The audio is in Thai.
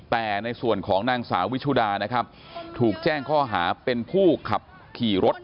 แต่ในส่วนของนางสาววิชุดานะครับถูกแจ้งข้อหาเป็นผู้ขับขี่รถ